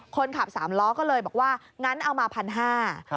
คนขับสามล้อก็เลยบอกว่างั้นเอามาพันห้า